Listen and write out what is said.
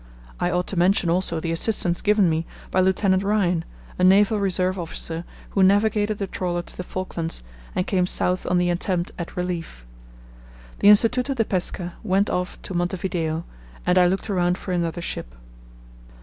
I ought to mention also the assistance given me by Lieut. Ryan, a Naval Reserve officer who navigated the trawler to the Falklands and came south on the attempt at relief. The Instituto de Pesca went off to Montevideo and I looked around for another ship.